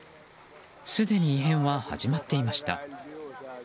すでに異変は始まっていました。